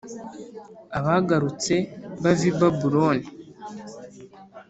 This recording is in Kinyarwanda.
Abagarutse bava i babuloni